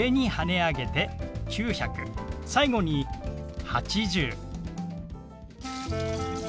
最後に「８０」。